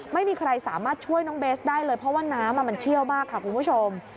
ไม่มีใครสามารถช่วยน้องเบสได้เลยเพราะว่าน้ำมันเชี่ยวมากค่ะคุณผู้ชม